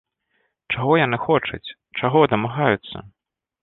Чаго яны хочуць, чаго дамагаюцца?